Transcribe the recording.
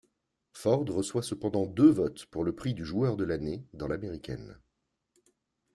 Ford reçoit cependant deux votes pour le prix du joueur de l'année dans l'Américaine.